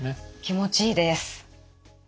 気持ちいいです。